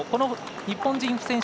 日本人選手